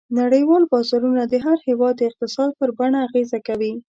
نړیوال بازارونه د هر هېواد د اقتصاد پر بڼه اغېزه کوي.